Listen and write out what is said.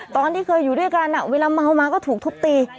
ตอนที่เคยอยู่ด้วยกันเวลาเมามาก็ถูกทุบตี